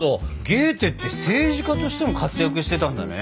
ゲーテって政治家としても活躍してたんだね！